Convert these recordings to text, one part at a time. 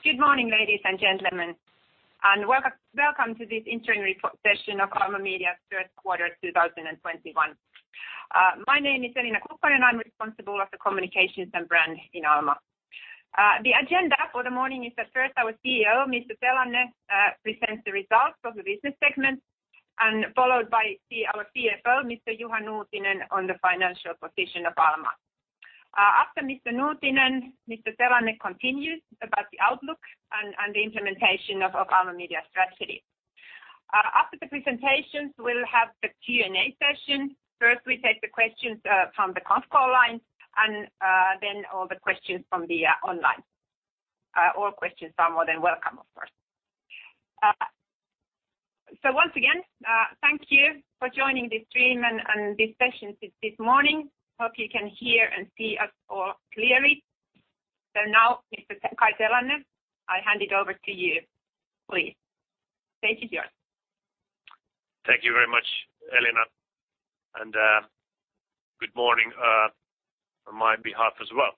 Good morning, ladies and gentlemen, welcome to this interim session of Alma Media's third quarter 2021. My name is Elina Kukkonen, I'm responsible of the communications and brand in Alma. The agenda for the morning is that first our CEO, Mr. Telanne presents the results of the business segments, followed by our CFO, Mr. Juha Nuutinen on the financial position of Alma. After Mr. Nuutinen, Mr. Telanne continues about the outlook and the implementation of Alma Media strategy. After the presentations, we'll have the Q&A session. First, we take the questions from the conf call lines and then all the questions from the online. All questions are more than welcome, of course. Once again, thank you for joining this stream and this session this morning. Hope you can hear and see us all clearly. Now, Mr. Kai Telanne, I hand it over to you, please. Take it away. Thank you very much, Elina. Good morning from my behalf as well.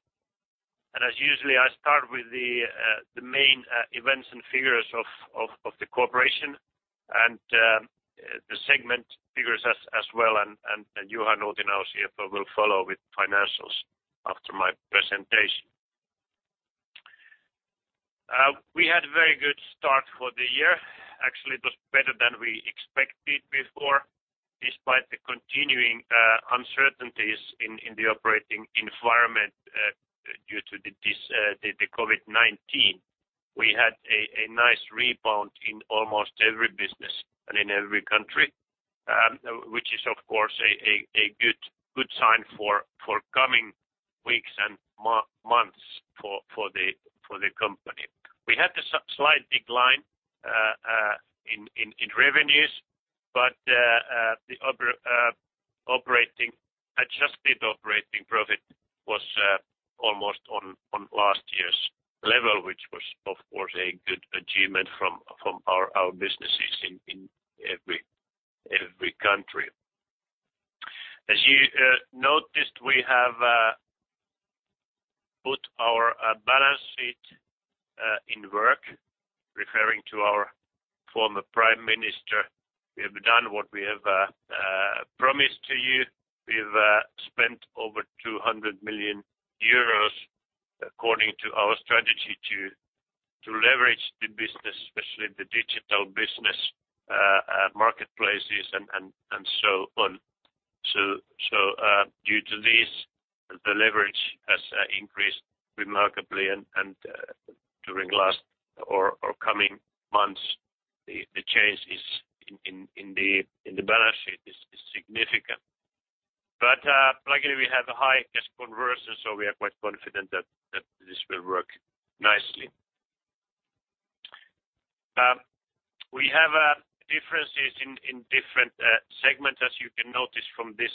As usually, I start with the main events and figures of the corporation and the segment figures as well. Juha Nuutinen, our CFO, will follow with financials after my presentation. We had a very good start for the year. Actually, it was better than we expected before, despite the continuing uncertainties in the operating environment due to the COVID-19. We had a nice rebound in almost every business and in every country, which is of course a good sign for coming weeks and months for the company. We had a slight decline in revenues, but the adjusted operating profit was almost on last year's level, which was, of course, a good achievement from our businesses in every country. As you noticed, we have put our balance sheet in work, referring to our former prime minister. We have done what we have promised to you. We have spent over 200 million euros according to our strategy to leverage the business, especially the digital business, marketplaces and so on. Due to this, the leverage has increased remarkably and during last or coming months, the change in the balance sheet is significant. Luckily, we have a high cash conversion, so we are quite confident that this will work nicely. We have differences in different segments, as you can notice from this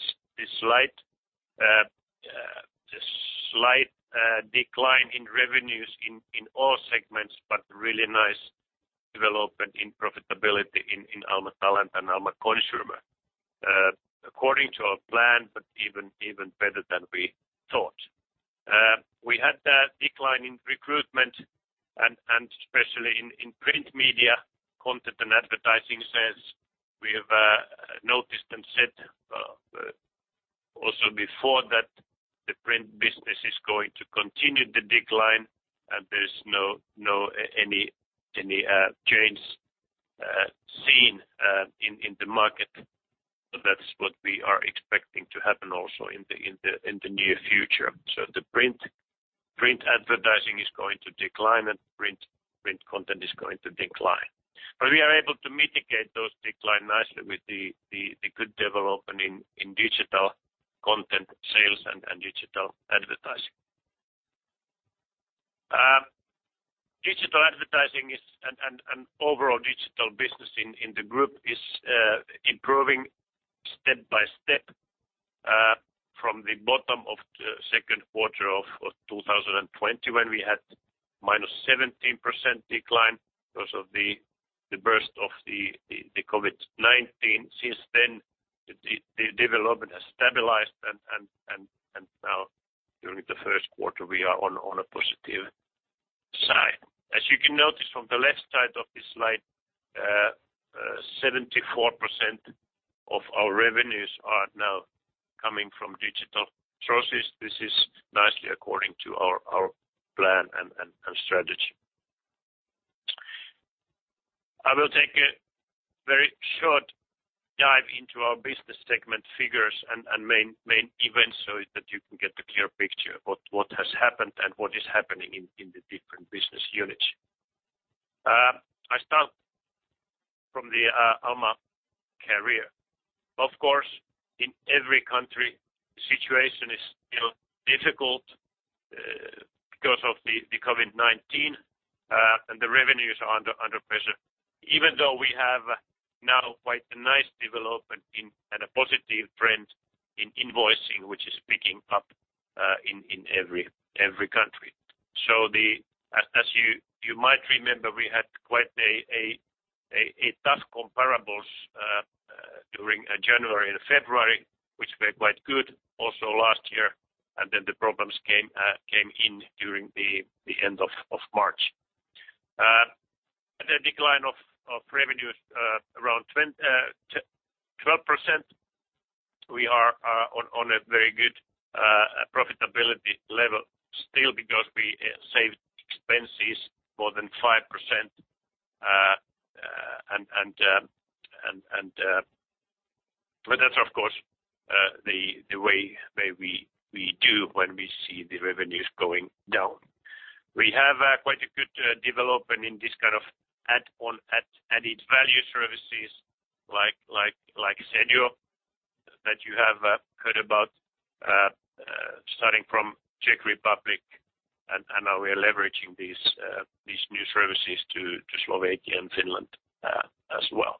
slide. A slight decline in revenues in all segments, but really nice development in profitability in Alma Talent and Alma Consumer. According to our plan, but even better than we thought. We had a decline in recruitment and especially in print media content and advertising sales. We have noticed and said also before that the print business is going to continue the decline and there's no any change seen in the market. That's what we are expecting to happen also in the near future. The print advertising is going to decline and print content is going to decline. We are able to mitigate those decline nicely with the good development in digital content sales and digital advertising. Digital advertising and overall digital business in the group is improving step by step from the bottom of the second quarter of 2020 when we had minus 17% decline because of the burst of the COVID-19. Since then, the development has stabilized and now during the first quarter, we are on a positive side. As you can notice from the left side of this slide, 74% of our revenues are now coming from digital sources. This is nicely according to our plan and strategy. I will take a very short dive into our business segment figures and main events so that you can get a clear picture of what has happened and what is happening in the different business units. I start from the Alma Career. Of course, in every country, the situation is still difficult because of the COVID-19, and the revenues are under pressure, even though we have now quite a nice development and a positive trend in invoicing, which is picking up in every country. As you might remember, we had quite a tough comparable during January and February, which were quite good also last year, and then the problems came in during the end of March. The decline of revenues around 12%. We are on a very good profitability level still because we saved expenses more than 5%. That's of course the way we do when we see the revenues going down. We have quite a good development in this kind of add-on added-value services like Senjo, that you have heard about starting from Czech Republic, and now we are leveraging these new services to Slovakia and Finland as well.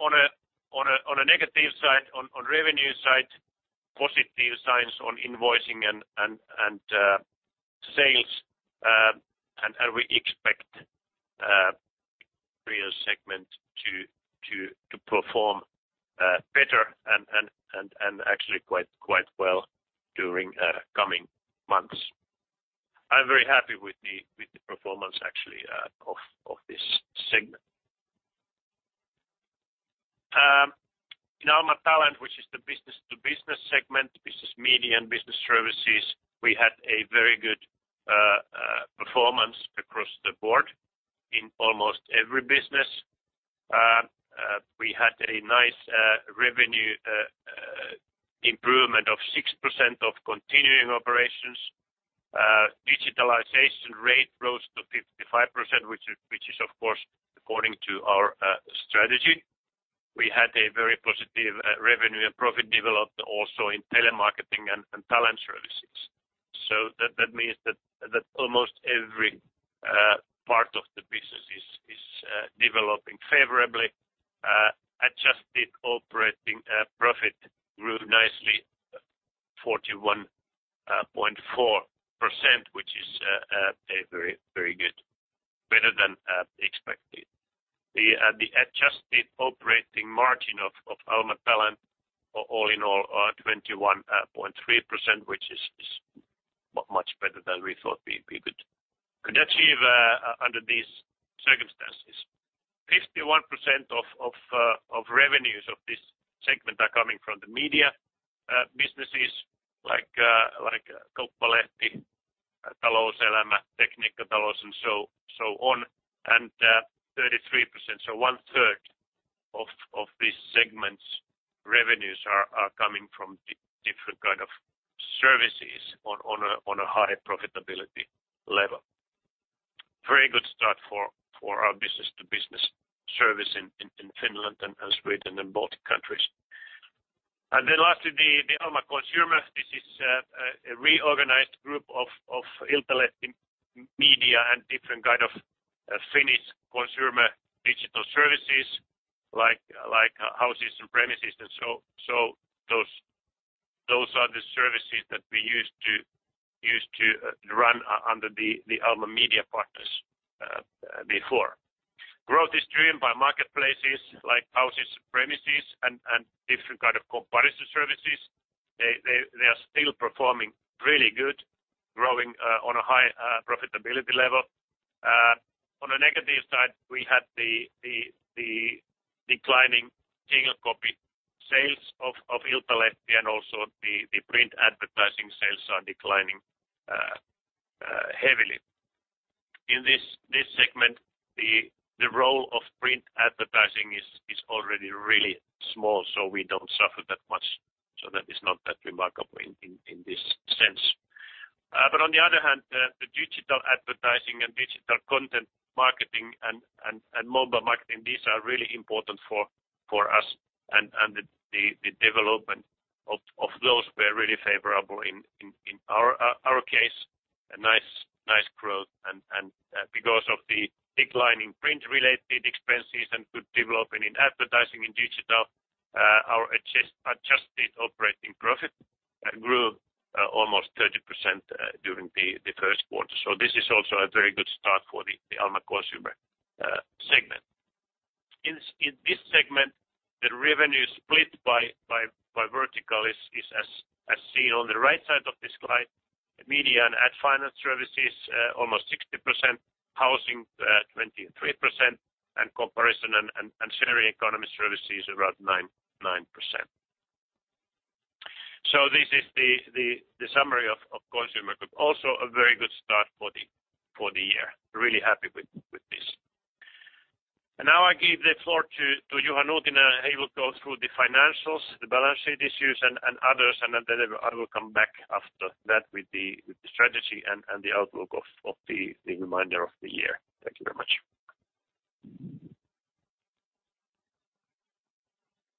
On a negative side, on revenue side, positive signs on invoicing and sales, and we expect Career segment to perform better and actually quite well during coming months. I'm very happy with the performance actually of this segment. In Alma Talent, which is the business-to-business segment, business media and business services, we had a very good performance across the board in almost every business. We had a nice revenue improvement of 6% of continuing operations. Digitalization rate rose to 55%, which is of course according to our strategy. We had a very positive revenue and profit development also in telemarketing and talent services. That means that almost every part of the business is developing favorably. Adjusted operating profit grew nicely 41.4%, which is very good, better than expected. The adjusted operating margin of Alma Talent all in all are 21.3%, which is much better than we thought we could achieve under these circumstances. 51% of revenues of this segment are coming from the media businesses like Kauppalehti, Talouselämä, Tekniikka&Talous and so on, and 33%, so one-third of this segment's revenues are coming from different kind of services on a high profitability level. Very good start for our business-to-business service in Finland and Sweden and Baltic countries. Then lastly, the Alma Consumer. This is a reorganized group of Iltalehti media and different kind of Finnish consumer digital services like houses and premises and so on. Those are the services that we used to run under the Alma Media Partners before. Growth is driven by marketplaces like houses, premises, and different kind of comparison services. They are still performing really good, growing on a high profitability level. On a negative side, we had the declining single copy sales of Iltalehti, and also the print advertising sales are declining heavily. In this segment, the role of print advertising is already really small, we don't suffer that much. That is not that remarkable in this sense. On the other hand, the digital advertising and digital content marketing and mobile marketing, these are really important for us. The development of those were really favorable in our case, a nice growth. Because of the decline in print-related expenses and good development in advertising in digital, our adjusted operating profit grew almost 30% during the first quarter. This is also a very good start for the Alma Consumer segment. In this segment, the revenue split by vertical is as seen on the right side of this slide. Media and ad finance services almost 60%, housing 23%, and comparison and sharing economy services around 9%. This is the summary of consumer group. Also a very good start for the year. Really happy with this. Now I give the floor to Juha Nuutinen, and he will go through the financials, the balance sheet issues and others, and then I will come back after that with the strategy and the outlook of the remainder of the year. Thank you very much.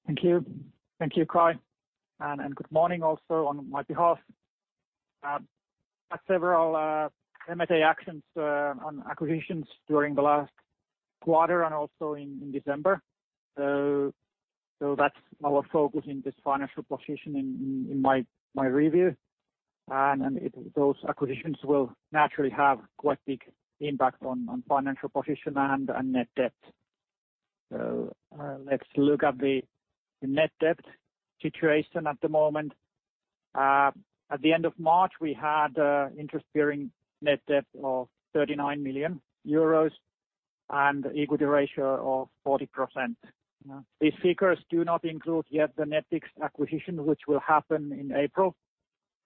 Thank you. Thank you, Kai, and good morning also on my behalf. Had several M&A actions on acquisitions during the last quarter and also in December. That's our focus in this financial position in my review, and those acquisitions will naturally have quite a big impact on financial position and net debt. Let's look at the net debt situation at the moment. At the end of March, we had interest-bearing net debt of 39 million euros and equity ratio of 40%. These figures do not include yet the Nettix acquisition, which will happen in April.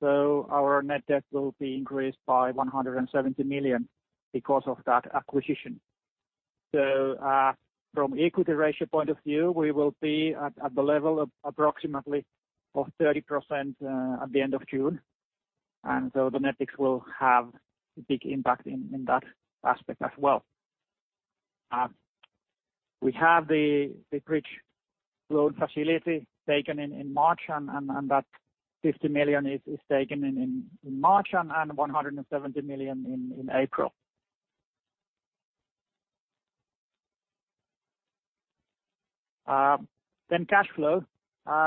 Our net debt will be increased by 170 million because of that acquisition. From equity ratio point of view, we will be at the level of approximately of 30% at the end of June, and the Nettix will have a big impact in that aspect as well. We have the bridge loan facility taken in in March. That 50 million is taken in March and 170 million in April. Cash flow.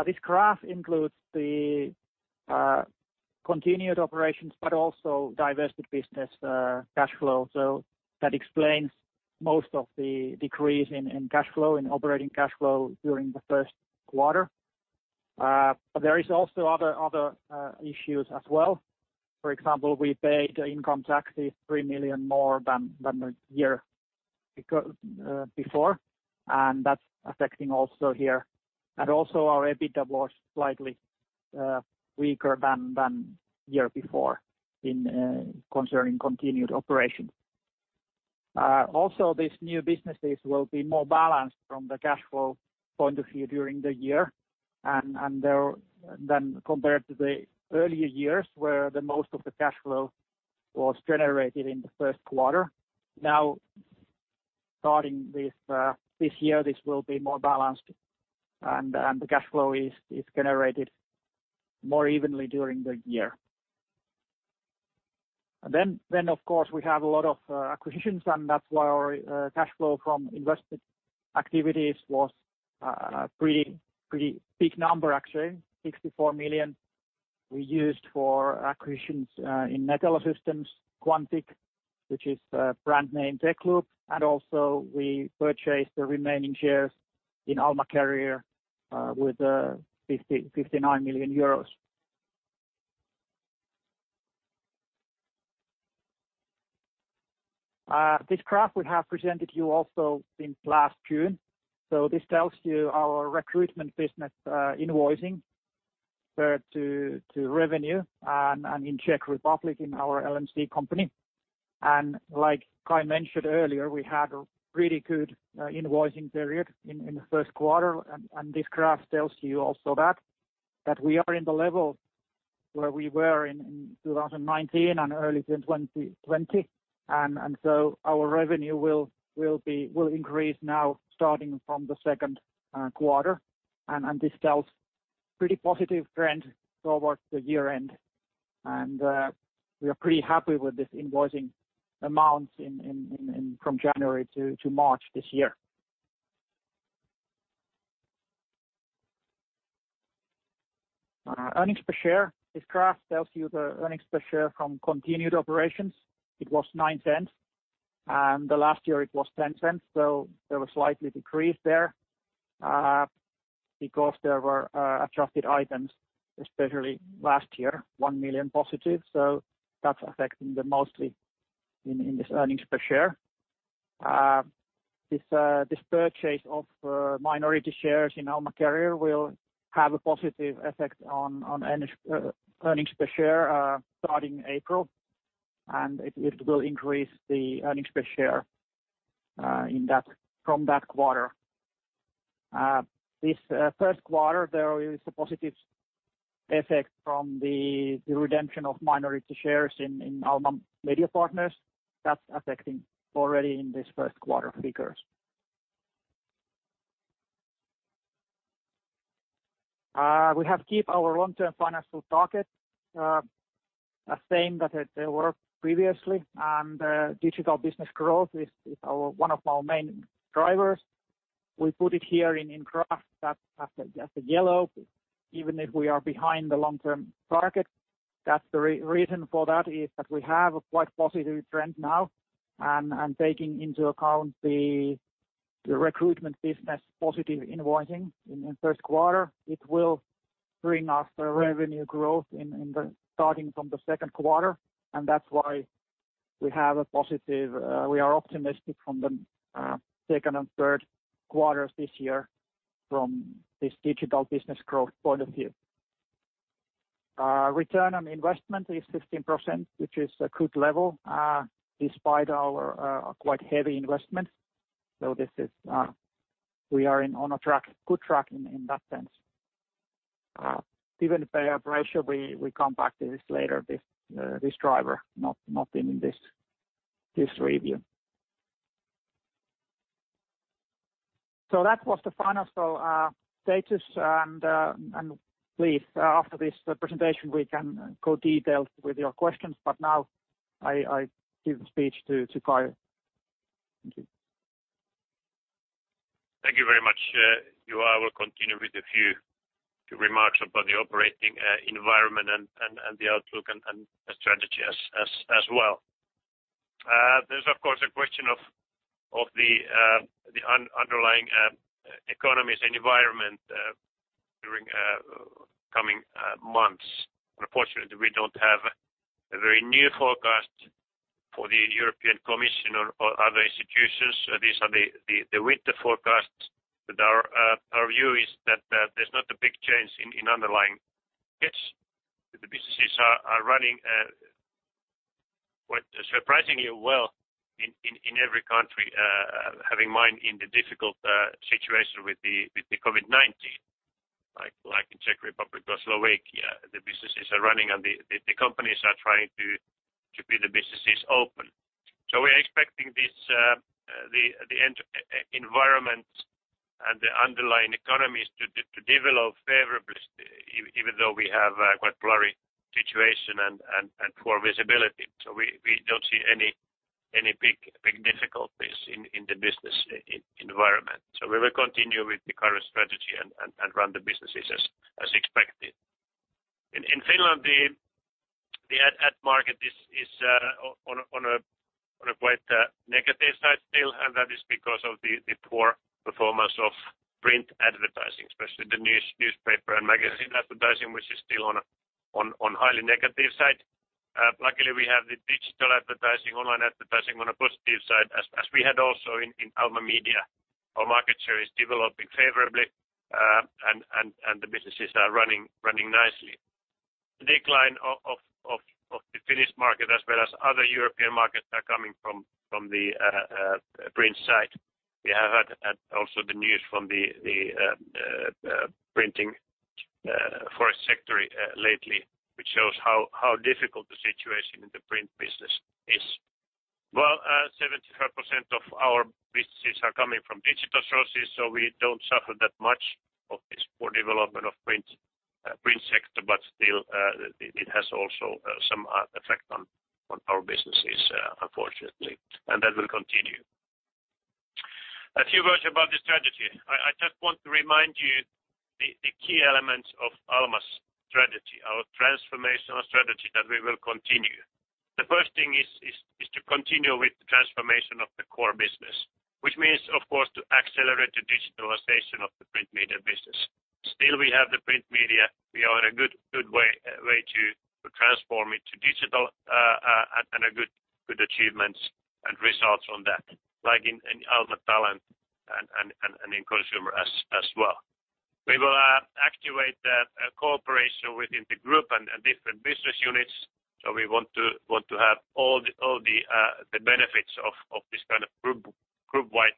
This graph includes the continued operations, also divested business cash flow. That explains most of the decrease in cash flow, in operating cash flow during the first quarter. There is also other issues as well. For example, we paid income taxes 3 million more than the year before. That's affecting also here. Also our EBITDA was slightly weaker than year before concerning continued operations. These new businesses will be more balanced from the cash flow point of view during the year and then compared to the earlier years where the most of the cash flow was generated in the first quarter. Starting with this year, this will be more balanced and the cash flow is generated more evenly during the year. Of course, we have a lot of acquisitions and that's why our cash flow from investment activities was a pretty big number actually, 64 million we used for acquisitions in Netello Systems, Quantiq, which is a brand name Techloop, and also we purchased the remaining shares in Alma Career with EUR 59 million. This graph we have presented you also in last June. This tells you our recruitment business invoicing to revenue and in Czech Republic in our LMC company. Like Kai mentioned earlier, we had a pretty good invoicing period in the first quarter, and this graph tells you also that we are in the level where we were in 2019 and early 2020. Our revenue will increase now starting from the second quarter, and this tells pretty positive trend towards the year-end. We are pretty happy with this invoicing amounts from January to March this year. Earnings per share. This graph tells you the earnings per share from continued operations. It was 0.09, and the last year it was 0.10, so there was slightly decrease there because there were adjusted items, especially last year, 1 million positive, so that's affecting the mostly in this earnings per share. This purchase of minority shares in Alma Career will have a positive effect on earnings per share starting April, and it will increase the earnings per share from that quarter. This first quarter, there is a positive effect from the redemption of minority shares in Alma Media Partners. That's affecting already in this first quarter figures. We have keep our long-term financial target the same that they were previously. Digital business growth is one of our main drivers. We put it here in graph as a yellow, even if we are behind the long-term target. The reason for that is that we have a quite positive trend now. Taking into account the recruitment business positive invoicing in first quarter, it will bring us a revenue growth starting from the second quarter. That's why we are optimistic from the second and third quarters this year from this digital business growth point of view. ROI is 16%, which is a good level despite our quite heavy investment. We are on a good track in that sense. Dividend pay ratio, we come back to this later, this driver, not in this review. That was the financial status. Please, after this presentation, we can go detailed with your questions. Now I give the speech to Kai. Thank you. Thank you very much. I will continue with a few remarks about the operating environment and the outlook and strategy as well. There's, of course, a question of the underlying economies environment during coming months. Unfortunately, we don't have a very near forecast for the European Commission or other institutions. These are the winter forecasts, our view is that there's not a big change in underlying shifts. The businesses are running quite surprisingly well in every country bearing in mind in the difficult situation with the COVID-19, like in Czech Republic or Slovakia, the businesses are running and the companies are trying to keep the businesses open. We are expecting the environment and the underlying economies to develop favorably even though we have a quite blurry situation and poor visibility. We don't see any big difficulties in the business environment. We will continue with the current strategy and run the businesses as expected. In Finland, the ad market is on a quite negative side still, and that is because of the poor performance of print advertising, especially the newspaper and magazine advertising which is still on highly negative side. Luckily, we have the digital advertising, online advertising on a positive side as we had also in Alma Media. Our market share is developing favorably, and the businesses are running nicely. The decline of the Finnish market as well as other European markets are coming from the print side. We have had also the news from the printing forest sector lately, which shows how difficult the situation in the print business is. Well, 75% of our businesses are coming from digital sources, so we don't suffer that much of this poor development of print sector, but still it has also some effect on our businesses, unfortunately, and that will continue. A few words about the strategy. I just want to remind you the key elements of Alma's strategy, our transformational strategy that we will continue. The first thing is to continue with the transformation of the core business, which means of course to accelerate the digitalization of the print media business. Still we have the print media. We are in a good way to transform it to digital, and a good achievements and results on that, like in Alma Talent and in Alma Consumer as well. We will activate the cooperation within the group and different business units. We want to have all the benefits of this kind of group-wide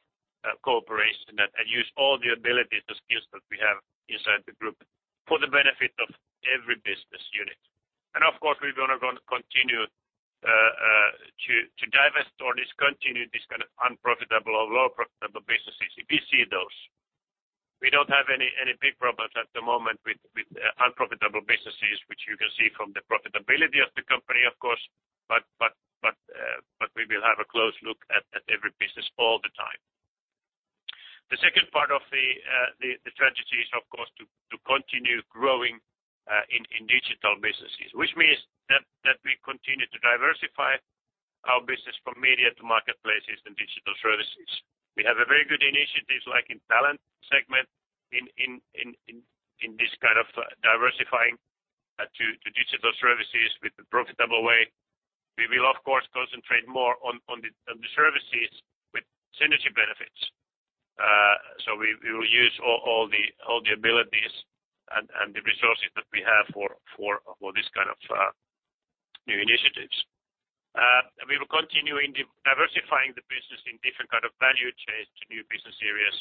cooperation and use all the abilities and skills that we have inside the group for the benefit of every business unit. Of course, we're going to continue to divest or discontinue this kind of unprofitable or low profitable businesses if we see those. We don't have any big problems at the moment with unprofitable businesses, which you can see from the profitability of the company of course, but we will have a close look at every business all the time. The second part of the strategy is of course to continue growing in digital businesses, which means that we continue to diversify our business from media to marketplaces and digital services. We have a very good initiatives like in Alma Talent segment in this kind of diversifying to digital services with profitable way. We will of course concentrate more on the services with synergy benefits. We will use all the abilities and the resources that we have for this kind of new initiatives. We will continue in diversifying the business in different kind of value chains to new business areas,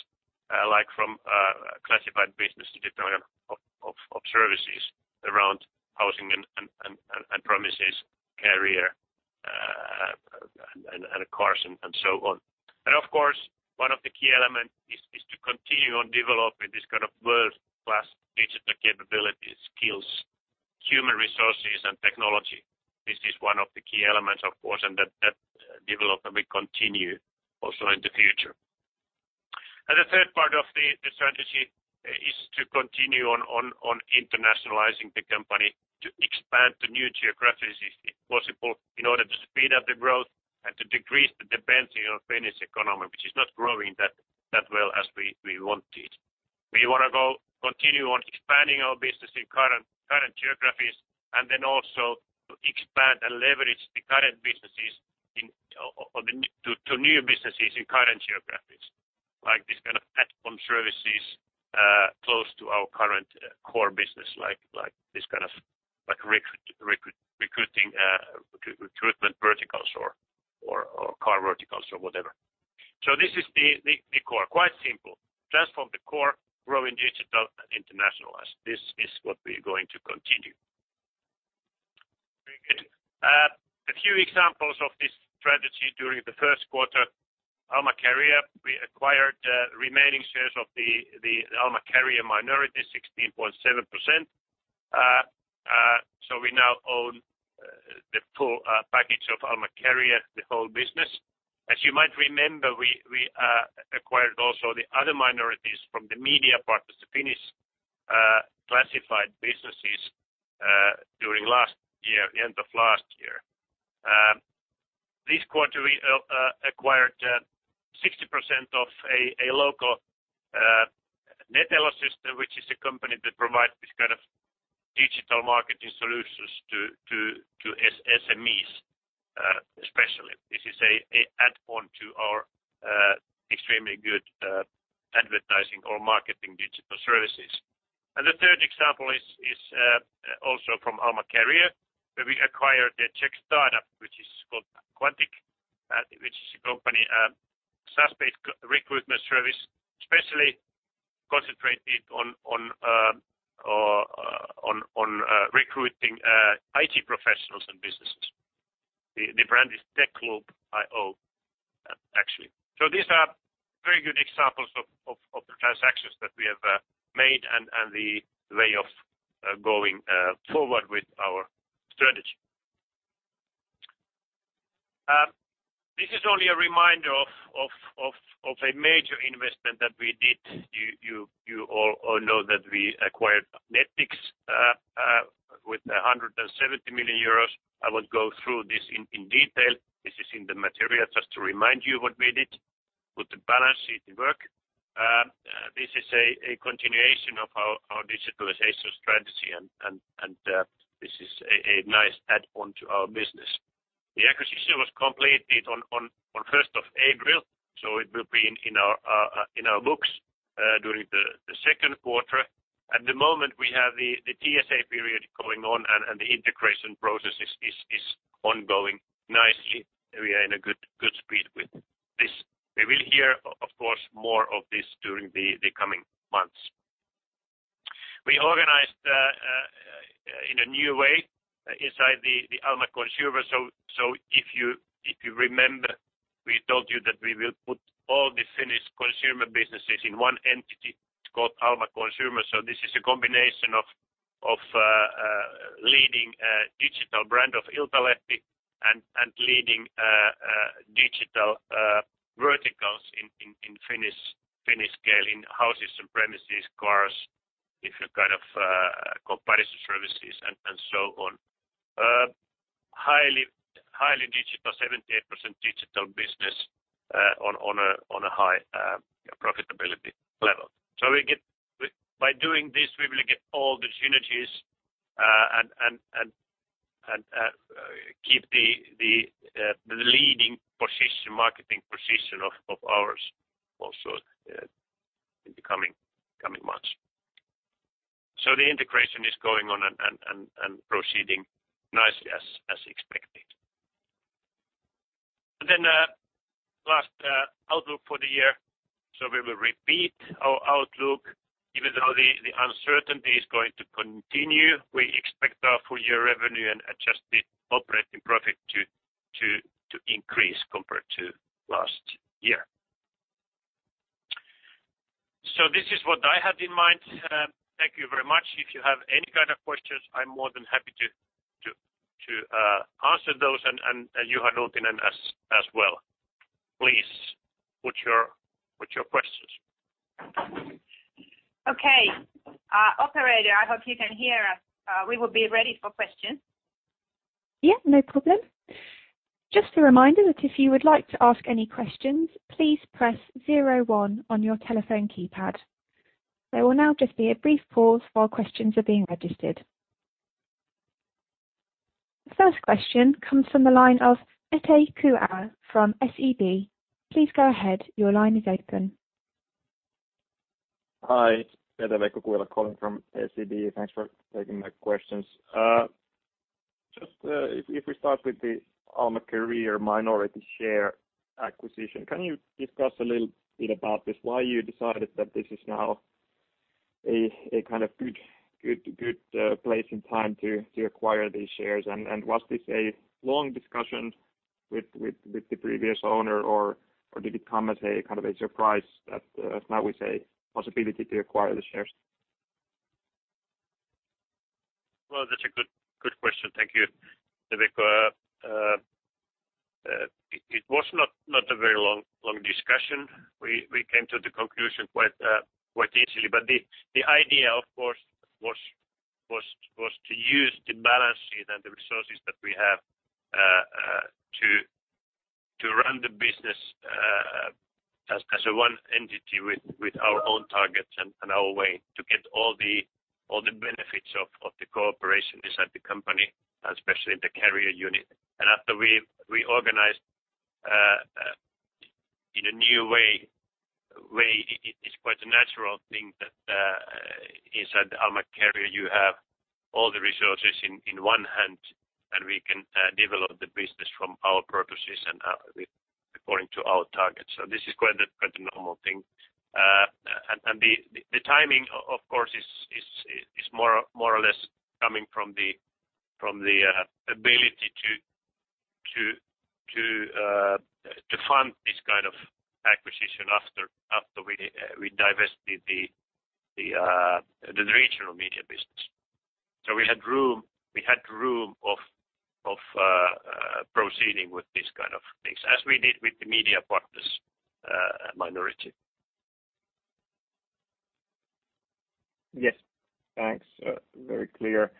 like from classified business to development of services around housing and premises, Career, and cars and so on. Of course, one of the key element is to continue on developing this kind of world-class digital capabilities, skills, human resources and technology. This is one of the key elements of course and that development will continue also in the future. The third part of the strategy is to continue on internationalizing the company to expand to new geographies if possible in order to speed up the growth and to decrease the dependency on Finnish economy, which is not growing that well as we wanted. We want to go continue on expanding our business in current geographies and then also expand and leverage the current businesses to new businesses in current geographies, like this kind of platform services close to our current core business like this kind of recruitment verticals or car verticals or whatever. This is the core, quite simple. Transform the core, grow in digital and internationalize. This is what we are going to continue. Very good. A few examples of this strategy during the first quarter, Alma Career, we acquired remaining shares of the Alma Career minority, 16.7%. Now own the full package of Alma Career, the whole business. As you might remember, we acquired also the other minorities from the Media Partners, the Finnish classified businesses during end of last year. This quarter, we acquired 60% of a local Netello Systems which is a company that provides this kind of digital marketing solutions to SMEs, especially. This is an add-on to our extremely good advertising or marketing digital services. The third example is also from Alma Career, where we acquired a Czech startup, which is called Quantiq, which is a company SaaS-based recruitment service, especially concentrated on recruiting IT professionals and businesses. The brand is Techloop.io actually. These are very good examples of the transactions that we have made and the way of going forward with our strategy. This is only a reminder of a major investment that we did. You all know that we acquired Mepics with 170 million euros. I won't go through this in detail. This is in the material just to remind you what we did with the balance sheet work. This is a continuation of our digitalization strategy, and this is a nice add-on to our business. The acquisition was completed on 1st of April, so it will be in our books during the second quarter. At the moment, we have the TSA period going on and the integration process is ongoing nicely. We are in a good speed with this. We will hear, of course, more of this during the coming months. We organized in a new way inside the Alma Consumer. If you remember, we told you that we will put all the Finnish consumer businesses in one entity called Alma Consumer. This is a combination of leading digital brand of Iltalehti and leading digital verticals in Finnish scale, in houses and premises, cars, different kind of comparison services and so on. Highly digital, 78% digital business on a high profitability level. By doing this, we will get all the synergies and keep the leading position, marketing position of ours also in the coming months. The integration is going on and proceeding nicely as expected. Last outlook for the year. We will repeat our outlook. Even though the uncertainty is going to continue, we expect our full-year revenue and adjusted operating profit to increase compared to last year. This is what I had in mind. Thank you very much. If you have any kind of questions, I'm more than happy to answer those, and Juha Nuutinen as well. Please put your questions. Okay. Operator, I hope you can hear us. We will be ready for questions. Yeah, no problem. Just a reminder that if you would like to ask any questions, please press 01 on your telephone keypad. There will now just be a brief pause while questions are being registered. First question comes from the line of Petri Kuula from SEB. Please go ahead. Your line is open. Hi. It is Petri Kuula calling from SEB. Thanks for taking my questions. Just if we start with the Alma Career minority share acquisition, can you discuss a little bit about this, why you decided that this is now a kind of good place and time to acquire these shares? Was this a long discussion with the previous owner, or did it come as a kind of a surprise that now we saw a possibility to acquire the shares? Well, that's a good question. Thank you, Petri Kuula. It was not a very long discussion. We came to the conclusion quite easily. The idea, of course, was to use the balance sheet and the resources that we have to run the business as a one entity with our own targets and our way to get all the benefits of the cooperation inside the company, especially the Career unit. After we organized in a new way, it's quite a natural thing that inside Alma Career, you have all the resources in one hand, and we can develop the business from our processes and according to our targets. This is quite a normal thing. The timing, of course, is more or less coming from the ability to fund this after we divested the regional media business. We had room of proceeding with these kind of things as we did with the Alma Media Partners minority. Yes. Thanks. Very clear.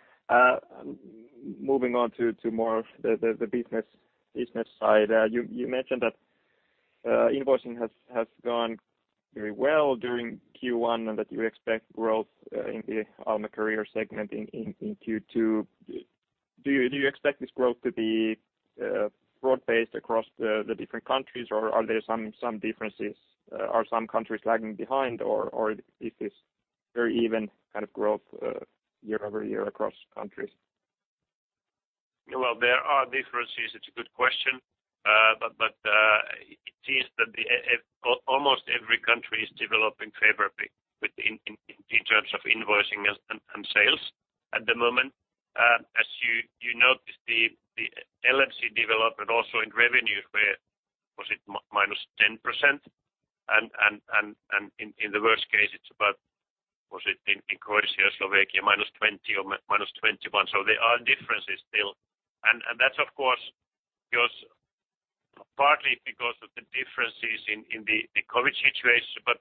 Moving on to more of the business side. You mentioned that invoicing has gone very well during Q1 and that you expect growth in the Alma Career segment in Q2. Do you expect this growth to be broad-based across the different countries or are there some differences? Are some countries lagging behind or is this very even kind of growth year-over-year across countries? Well, there are differences. It's a good question. It seems that almost every country is developing favorably in terms of invoicing and sales at the moment. As you notice the LMC development also in revenues where, was it -10%? In the worst case, it's about, was it in Croatia, Slovakia, -20 or -21. There are differences still, and that's of course partly because of the differences in the COVID situation, but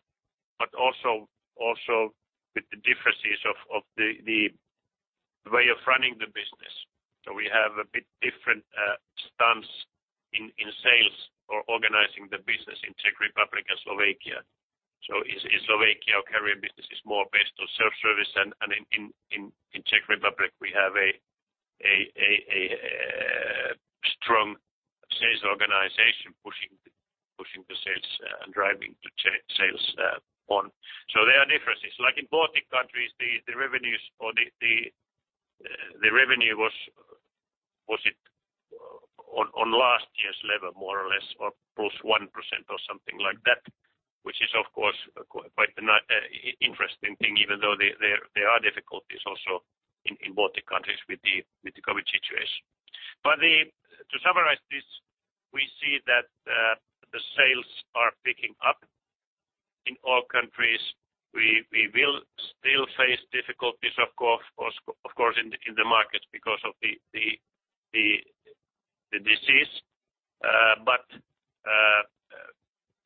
also with the differences of the way of running the business. We have a bit different stance in sales or organizing the business in Czech Republic and Slovakia. In Slovakia, career business is more based on self-service, and in Czech Republic, we have a strong sales organization pushing the sales and driving the sales on. There are differences. In Baltic countries, the revenues or the revenue was it on last year's level more or less, or plus 1% or something like that, which is of course quite an interesting thing even though there are difficulties also in Baltic countries with the COVID situation. To summarize this, we see that the sales are picking up in all countries. We will still face difficulties, of course, in the market because of the disease.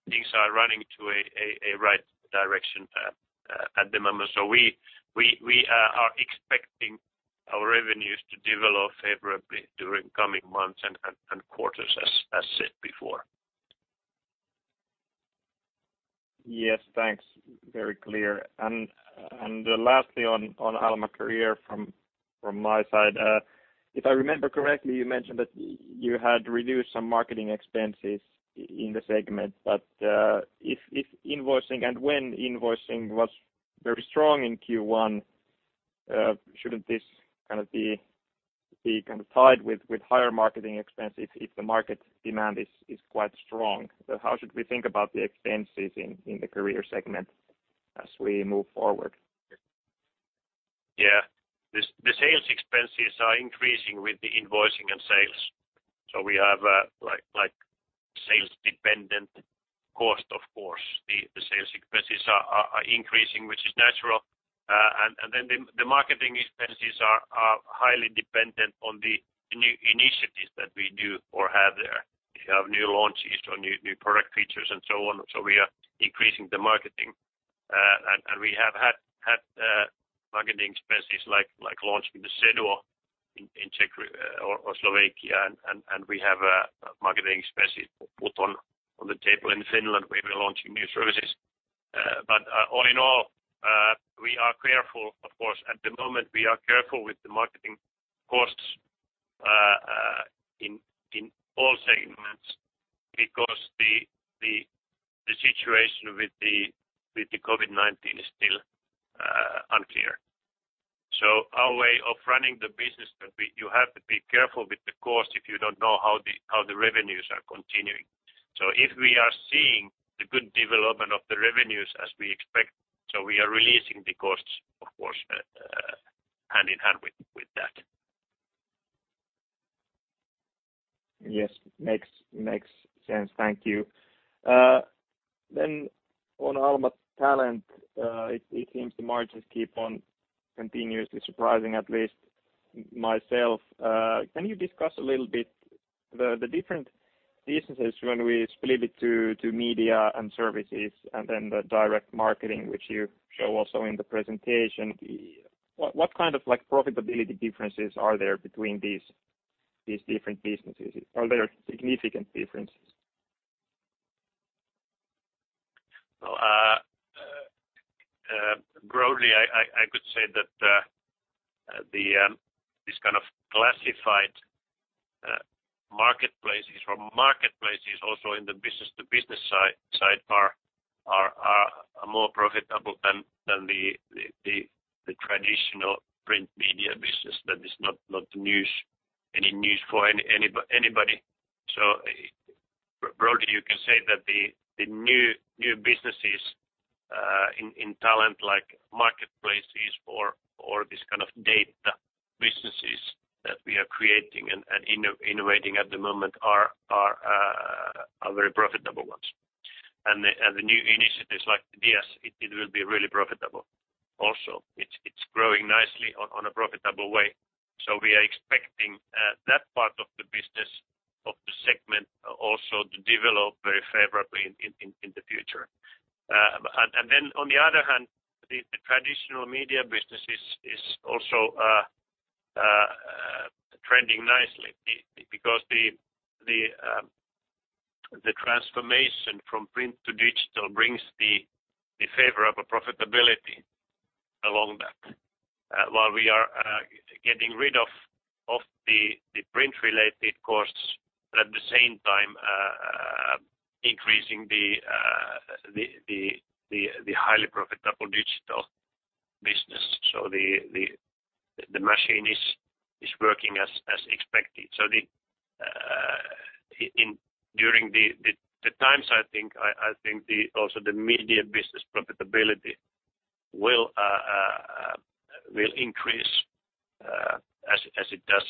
Things are running to a right direction at the moment. We are expecting our revenues to develop favorably during coming months and quarters as said before. Yes. Thanks. Very clear. Lastly on Alma Career from my side. If I remember correctly, you mentioned that you had reduced some marketing expenses in the segment. If invoicing and when invoicing was very strong in Q1, shouldn't this kind of be tied with higher marketing expense if the market demand is quite strong? How should we think about the expenses in the career segment as we move forward? Yeah. The sales expenses are increasing with the invoicing and sales. We have a sales-dependent cost of course. The sales expenses are increasing, which is natural. The marketing expenses are highly dependent on the new initiatives that we do or have there. We have new launches or new product features and so on. We are increasing the marketing. We have had marketing expenses like launching the Seduo in Czech or Slovakia, and we have marketing expenses put on the table in Finland where we're launching new services. All in all, we are careful of course. At the moment, we are careful with the marketing costs in all segments because the situation with the COVID-19 is still unclear. Our way of running the business that you have to be careful with the cost if you don't know how the revenues are continuing. If we are seeing the good development of the revenues as we expect, we are releasing the costs of course hand in hand with that. Yes. Makes sense. Thank you. On Alma Talent, it seems the margins keep on continuously surprising at least myself. Can you discuss a little bit the different businesses when we split it to media and services and then the direct marketing which you show also in the presentation? What kind of profitability differences are there between these different businesses? Are there significant differences? Well, broadly, I could say that these kind of classified marketplaces from marketplaces also in the business-to-business side are more profitable than the traditional print media business. That is not any news for anybody. Broadly, you can say that the new businesses in Alma Talent like marketplaces or this kind of data creating and innovating at the moment are very profitable ones. The new initiatives like DS, it will be really profitable also. It's growing nicely on a profitable way. We are expecting that part of the business of the segment also to develop very favorably in the future. On the other hand, the traditional media business is also trending nicely because the transformation from print to digital brings the favorable profitability along that. While we are getting rid of the print-related costs, at the same time increasing the highly profitable digital business. The machine is working as expected. During the Times, I think also the media business profitability will increase as it does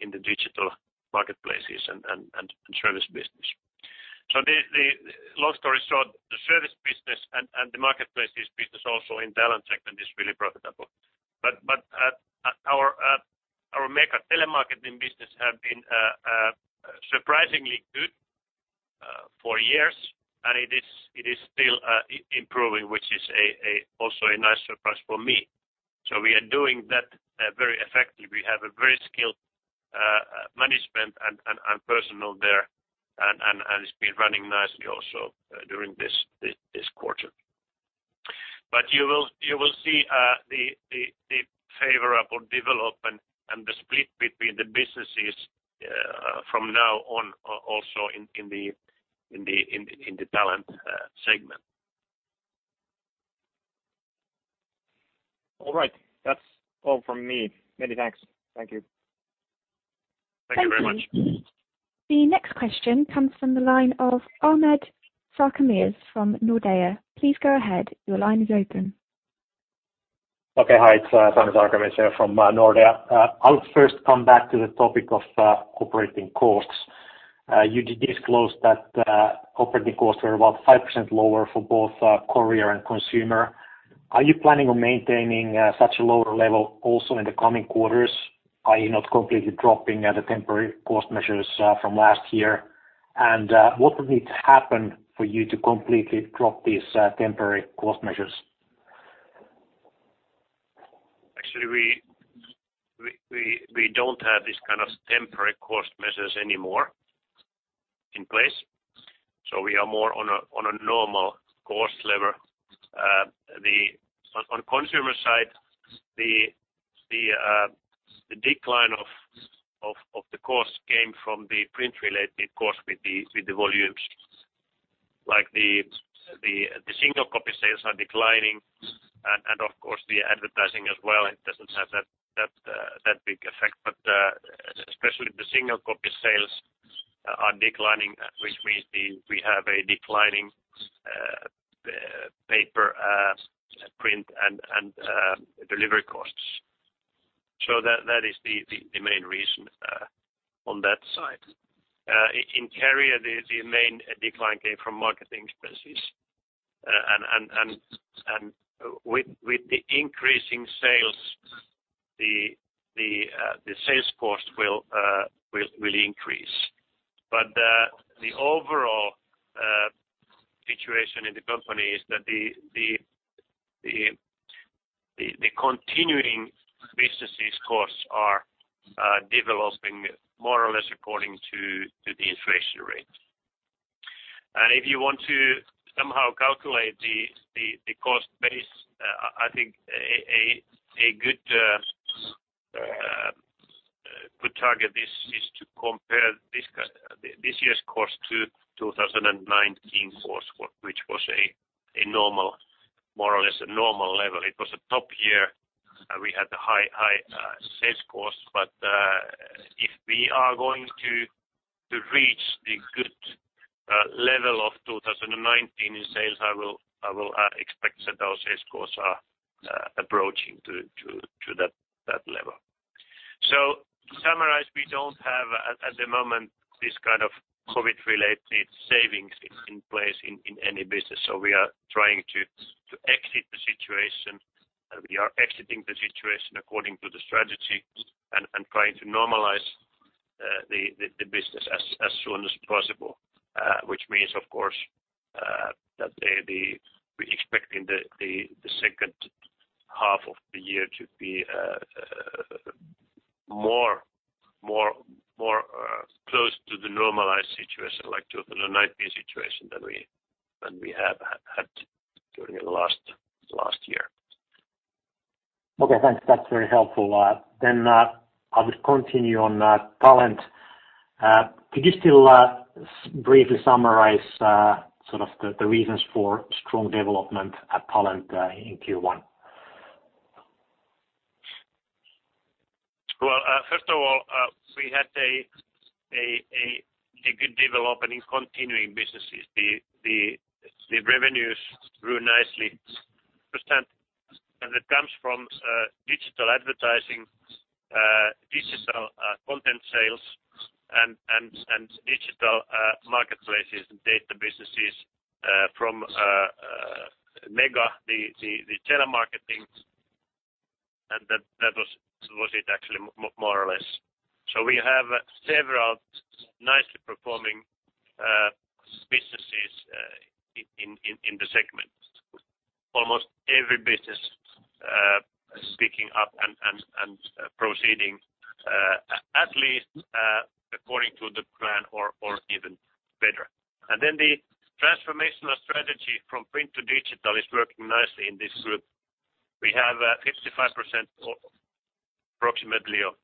in the digital marketplaces and service business. Long story short, the service business and the marketplaces business also in Alma Talent segment is really profitable. Our Mega telemarketing business have been surprisingly good for years, and it is still improving, which is also a nice surprise for me. We are doing that very effectively. We have a very skilled management and personal there, and it's been running nicely also during this quarter. You will see the favorable development and the split between the businesses from now on also in the Alma Talent segment. All right. That's all from me. Many thanks. Thank you. Thank you very much. The next question comes from the line of Sami Sarkamies from Nordea. Please go ahead. Your line is open. Okay. Hi, it's Sami Sarkamies here from Nordea. I'll first come back to the topic of operating costs. You did disclose that operating costs were about 5% lower for both Career and Consumer. Are you planning on maintaining such a lower level also in the coming quarters, i.e., not completely dropping the temporary cost measures from last year? What would need to happen for you to completely drop these temporary cost measures? Actually, we don't have this kind of temporary cost measures anymore in place. We are more on a normal cost level. On Alma Consumer side, the decline of the cost came from the print-related cost with the volumes. Like the single copy sales are declining and of course, the advertising as well, it doesn't have that big effect. Especially the single copy sales are declining, which means we have a declining paper print and delivery costs. That is the main reason on that side. In Alma Career, the main decline came from marketing expenses. With the increasing sales, the sales force will increase. The overall situation in the company is that the continuing businesses costs are developing more or less according to the inflation rate. If you want to somehow calculate the cost base, I think a good target is to compare this year's cost to 2019 cost, which was more or less a normal level. It was a top year. We had high sales costs, but if we are going to reach the good level of 2019 in sales, I will expect that our sales costs are approaching to that level. To summarize, we don't have at the moment this kind of COVID-related savings in place in any business. We are trying to exit the situation, and we are exiting the situation according to the strategy and trying to normalize the business as soon as possible which means, of course, that we're expecting the second half of the year to be more close to the normalized situation like 2019 situation than we have had during the last year. Okay, thanks. That's very helpful. I would continue on Talent. Could you still briefly summarize sort of the reasons for strong development at Talent in Q1? Well, first of all, we had a good development in continuing businesses. The revenues grew nicely. That comes from digital advertising, digital content sales, and digital marketplaces and data businesses from Mega, the telemarketing. That was it actually, more or less. We have several nicely performing businesses in the segment. Almost every business picking up and proceeding at least according to the plan or even better. The transformational strategy from print to digital is working nicely in this group. We have 55% approximately of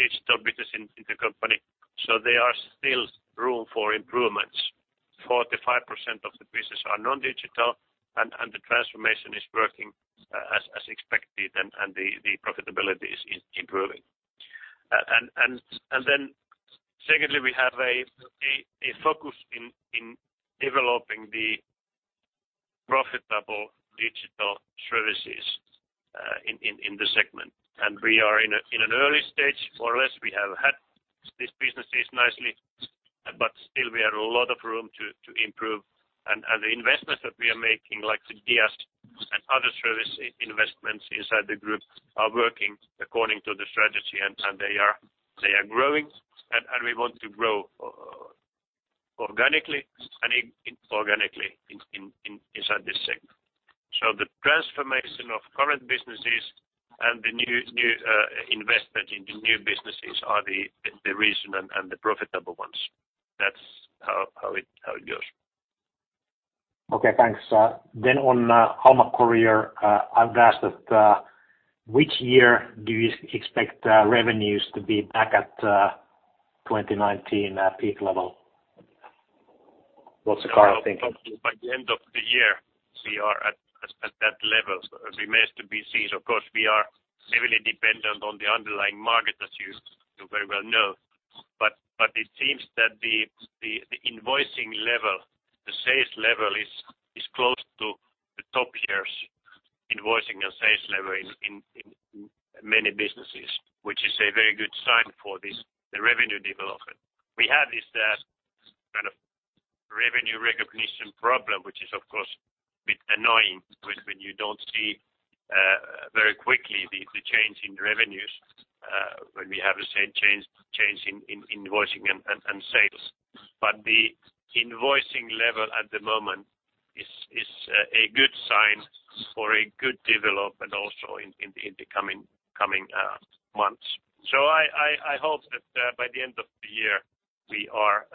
digital business in the company. There are still room for improvements. 45% of the business are non-digital, and the transformation is working as expected, and the profitability is improving. Secondly, we have a focus in developing the profitable digital services in the segment. We are in an early stage, more or less, we have had these businesses nicely, but still we have a lot of room to improve. The investments that we are making, like the DS and other service investments inside the group are working according to the strategy, and they are growing, and we want to grow organically and inorganically inside this segment. The transformation of current businesses and the new investment in the new businesses are the reason and the profitable ones. That's how it goes. Okay, thanks. On Alma Career, I would ask that which year do you expect revenues to be back at 2019 peak level? What's the current thinking? By the end of the year, we are at that level. It remains to be seen. Of course, we are heavily dependent on the underlying market, as you very well know. It seems that the invoicing level, the sales level is close to the top year's invoicing and sales level in many businesses, which is a very good sign for the revenue development. We have this kind of revenue recognition problem, which is of course a bit annoying when you don't see very quickly the change in revenues when we have a change in invoicing and sales. The invoicing level at the moment is a good sign for a good development also in the coming months. I hope that by the end of the year, we are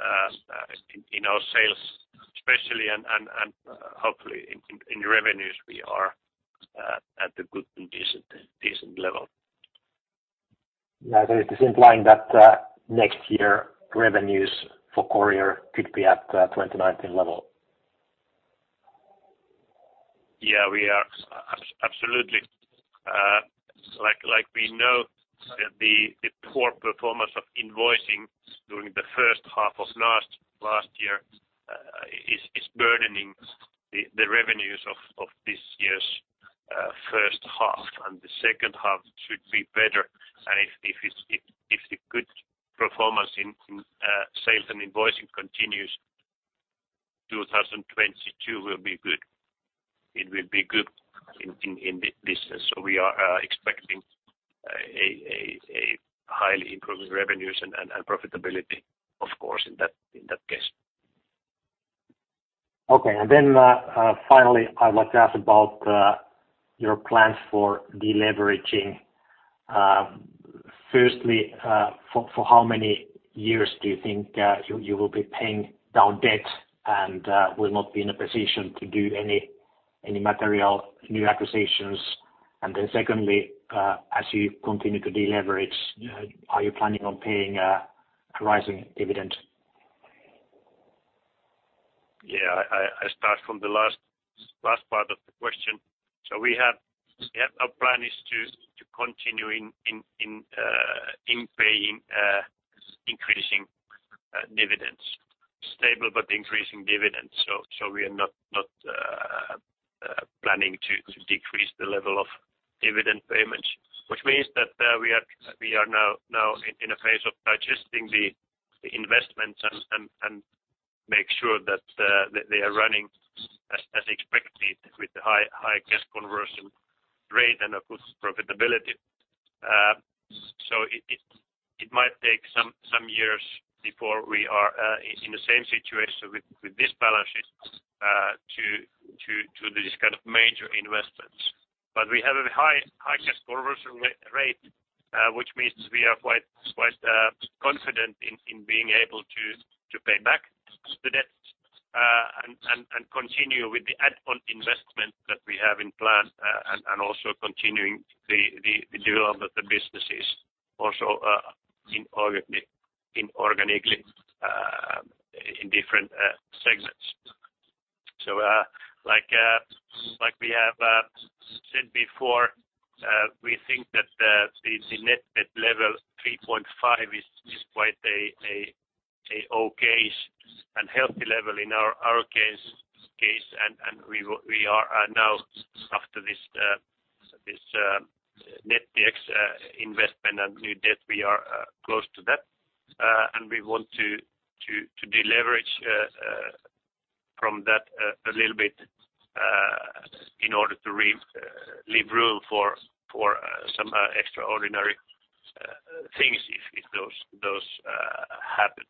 in our sales especially and hopefully in revenues we are at a good and decent level. Yeah. Is this implying that next year revenues for Career could be at 2019 level? Yeah, we are. Absolutely. Like we know that the poor performance of invoicing during the first half of last year is burdening the revenues of this year's first half. The second half should be better. If the good performance in sales and invoicing continues, 2022 will be good. It will be good in this sense. We are expecting a highly improving revenues and profitability of course, in that case. Okay. Finally, I would like to ask about your plans for deleveraging. Firstly, for how many years do you think you will be paying down debt and will not be in a position to do any material new acquisitions? Secondly, as you continue to deleverage, are you planning on paying a rising dividend? Yeah. I start from the last part of the question. Our plan is to continuing in paying increasing dividends. Stable but increasing dividends. We are not planning to decrease the level of dividend payments. Which means that we are now in a phase of digesting the investments and make sure that they are running as expected with high cash conversion rate and, of course, profitability. It might take some years before we are in the same situation with this balance sheet to do this kind of major investments. We have a high cash conversion rate, which means we are quite confident in being able to pay back the debt and continue with the add-on investment that we have in plan. Also continuing the development of the businesses also inorganically in different segments. Like we have said before, we think that the net debt level 3.5 is quite a okay and healthy level in our case. We are now after this Nettix investment and new debt, we are close to that. We want to deleverage from that a little bit in order to leave room for some extraordinary things if those happen.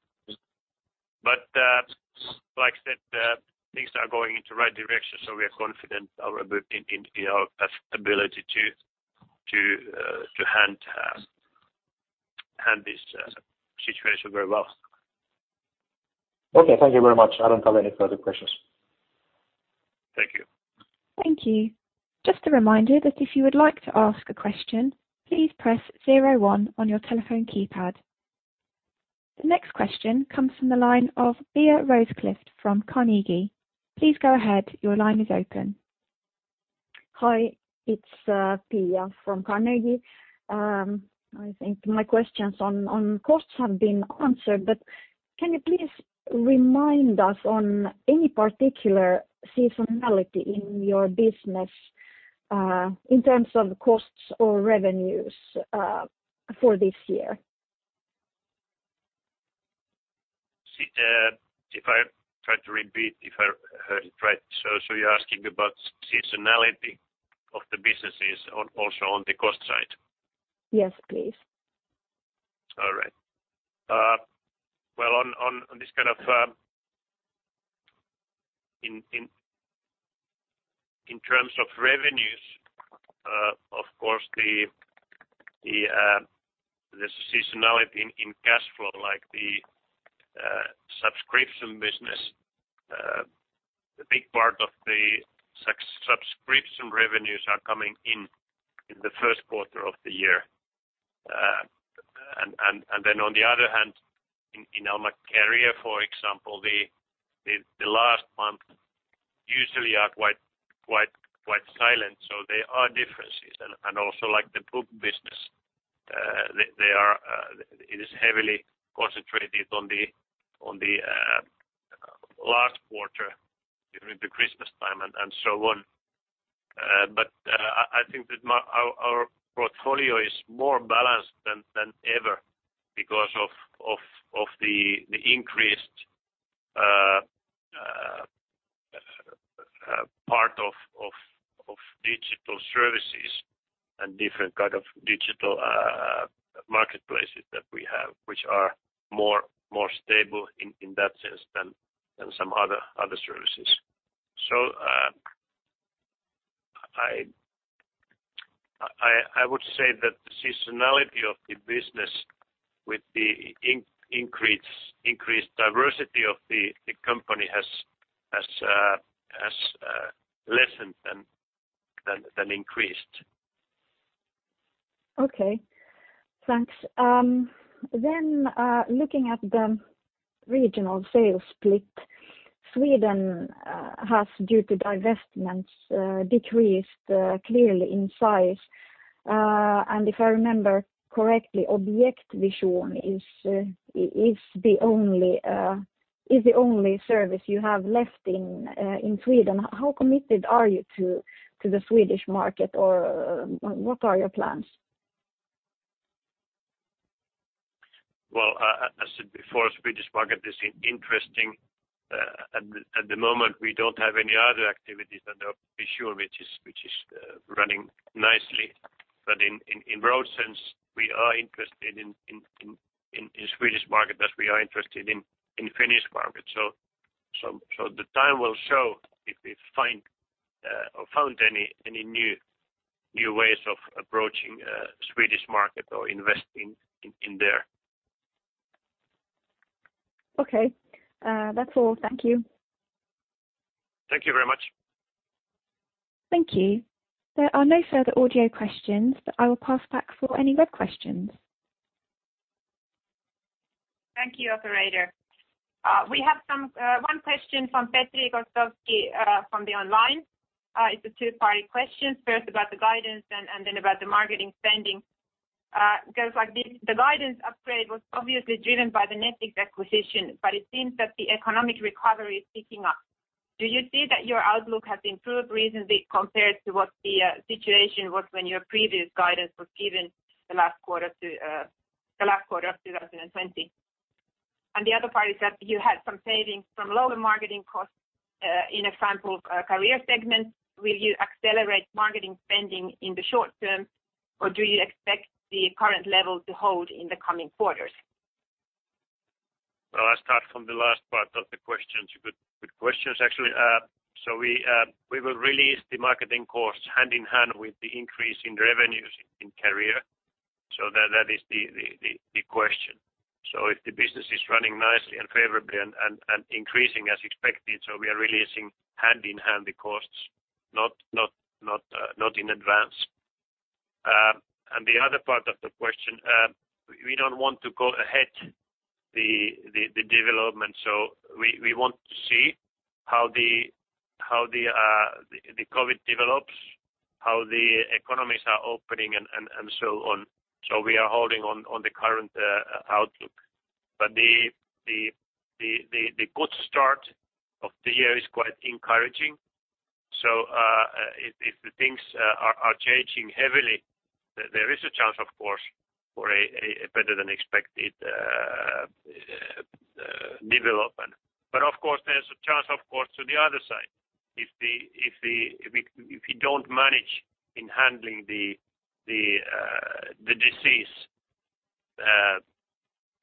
Like I said, things are going into right direction, so we are confident in our ability to hand this situation very well. Okay. Thank you very much. I don't have any further questions. Thank you. Thank you. Just a reminder that if you would like to ask a question, please press 01 on your telephone keypad. The next question comes from the line of Pia Rosqvist from Carnegie. Please go ahead. Your line is open. Hi, it's Pia from Carnegie. I think my questions on costs have been answered. Can you please remind us on any particular seasonality in your business in terms of costs or revenues for this year? If I try to repeat, if I heard it right, you're asking about seasonality of the businesses also on the cost side? Yes, please. All right. Well, in terms of revenues, of course, the seasonality in cash flow, like the subscription business, the big part of the subscription revenues are coming in the first quarter of the year. On the other hand, in Alma Career, for example, the last month usually are quite silent. There are differences. Also like the book business it is heavily concentrated on the last quarter during the Christmas time and so on. I think that our portfolio is more balanced than ever because of the increased part of digital services and different kind of digital marketplaces that we have, which are more stable in that sense than some other services. I would say that the seasonality of the business with the increased diversity of the company has lessened than increased. Okay, thanks. Looking at the regional sales split, Sweden has, due to divestments, decreased clearly in size. If I remember correctly, Objektvision is the only service you have left in Sweden. How committed are you to the Swedish market, or what are your plans? As I said before, Swedish market is interesting. At the moment, we don't have any other activities than Objektvision which is running nicely. In broad sense, we are interested in Swedish market as we are interested in Finnish market. The time will show if we found any new ways of approaching Swedish market or investing in there. Okay. That's all. Thank you. Thank you very much. Thank you. There are no further audio questions, but I will pass back for any web questions. Thank you, operator. We have one question from Petri Gostowski from the online. It's a two-part question. First about the guidance and then about the marketing spending. Goes like this: The guidance upgrade was obviously driven by the Nettix acquisition, but it seems that the economic recovery is picking up. Do you see that your outlook has improved recently compared to what the situation was when your previous guidance was given the last quarter of 2020? The other part is that you had some savings from lower marketing costs in example Career segment. Will you accelerate marketing spending in the short term, or do you expect the current level to hold in the coming quarters? Well, I'll start from the last part of the question. Good questions, actually. We will release the marketing costs hand-in-hand with the increase in revenues in Career. That is the question. If the business is running nicely and favorably and increasing as expected, we are releasing hand-in-hand the costs, not in advance. The other part of the question, we don't want to go ahead the development. We want to see how the COVID-19 develops, how the economies are opening, and so on. We are holding on the current outlook. The good start of the year is quite encouraging. If the things are changing heavily, there is a chance, of course, for a better than expected development. Of course, there's a chance, of course, to the other side. If we don't manage in handling the disease,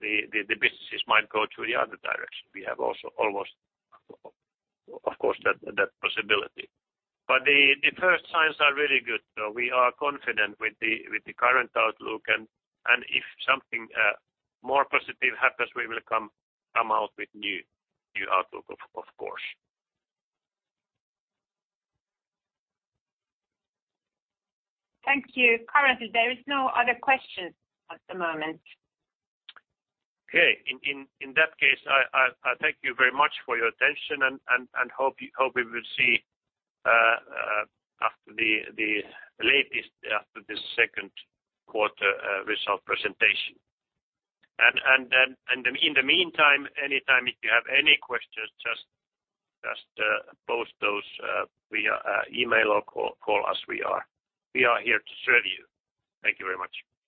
the businesses might go to the other direction. We have also almost, of course, that possibility. The first signs are really good. We are confident with the current outlook, and if something more positive happens, we will come out with new outlook, of course. Thank you. Currently, there is no other questions at the moment. Okay. In that case, I thank you very much for your attention and hope we will see after the latest, after the second quarter result presentation. In the meantime, anytime if you have any questions, just post those via email or call us. We are here to serve you. Thank you very much.